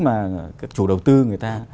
mà chủ đầu tư người ta